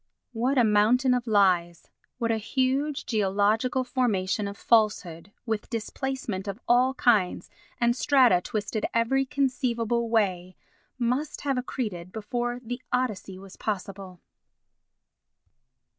What a mountain of lies—what a huge geological formation of falsehood, with displacement of all kinds, and strata twisted every conceivable way, must have accreted before the Odyssey was possible!